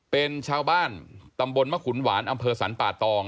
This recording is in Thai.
เป็นชาวบ้านตำบลมะขุนหวานอำเภอสรรป่าตอง